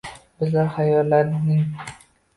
Bizlar xayollarning